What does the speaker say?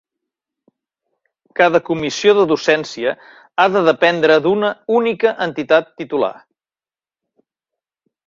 Cada comissió de docència ha de dependre d'una única entitat titular.